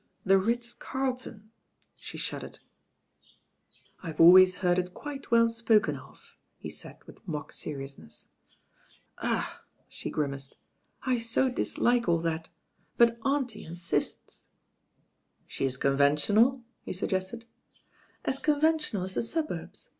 "The Ritz Carlton." She shuddered. "I've always heard It quite well spoken of," he said with mock seriousness. "Ugh I" she grimaced. "I so dislike all that ; but auntie insists." "She Is conventional?" he suggested. "As conventional as the suburbs.